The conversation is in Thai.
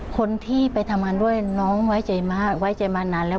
คนที่ไปทำงานด้วยน้องไว้ใจมานานแล้ว